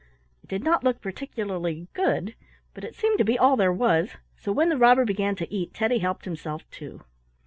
It did not look particularly good, but it seemed to be all there was, so when the robber began to eat Teddy helped himself too.